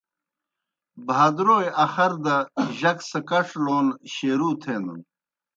بھادرَوئے اخر دہ جک سہ کڇ لون شیروع تھینَن۔